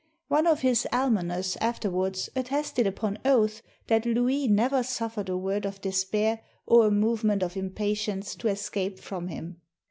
One of his almoners afterwards attested .upon oath that Louis never suffered a word of despair or a movement of impatience to escape from him.